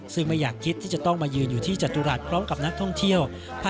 ซึ่งไม่อยากคิดที่จะต้องมายืนอยู่ที่จตุรัสพร้อมกับนักท่องเที่ยว